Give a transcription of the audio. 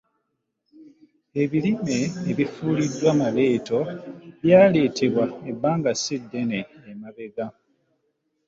Ebirime ebifuuliddwa “maleeto” byaleetebwa ebbanga ssi ddene emabega.